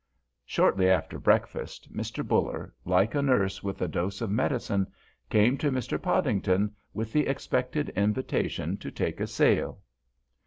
Shortly after breakfast Mr. Buller, like a nurse with a dose of medicine, came to Mr. Podington with the expected invitation to take a sail.